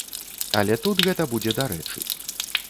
Але тут гэта будзе дарэчы.